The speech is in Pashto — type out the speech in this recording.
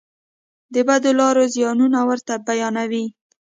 د بدو لارو زیانونه ورته بیانوي.